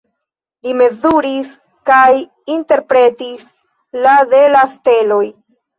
Li mezuris kaj interpretis la de la steloj.